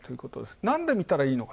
何でみたらいいのか。